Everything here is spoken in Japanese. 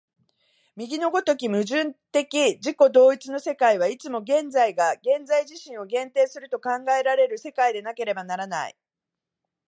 右の如き矛盾的自己同一の世界は、いつも現在が現在自身を限定すると考えられる世界でなければならない。